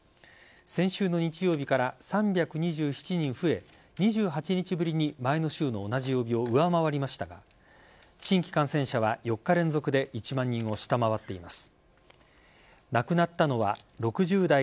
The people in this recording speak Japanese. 先週の日曜日から３２７人増え２８日ぶりに前の週の同じ曜日を上回りましたが新規感染者は４日連続で１万人を下回っています。